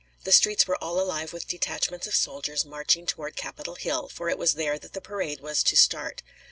The streets were all alive with detachments of soldiers marching toward Capitol Hill, for it was there that the parade was to start.